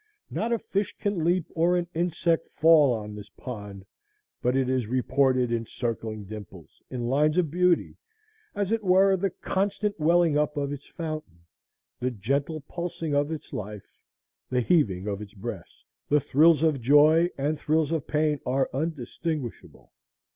Not a fish can leap or an insect fall on the pond but it is thus reported in circling dimples, in lines of beauty, as it were the constant welling up of its fountain, the gentle pulsing of its life, the heaving of its breast. The thrills of joy and thrills of pain are undistinguishable.